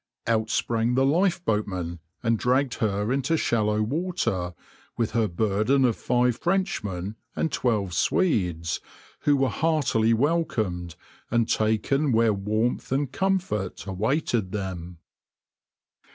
Out sprang the lifeboatmen and dragged her into shallow water, with her burden of five Frenchmen and twelve Swedes, who were heartily welcomed, and taken where warmth and comfort awaited them.